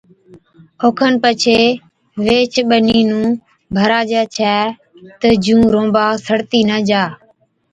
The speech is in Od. او کن ڇي ويهچ ٻنِي نُون ڀراجَي ڇَي تہ جُون رونبا سَڙتِي نہ جا۔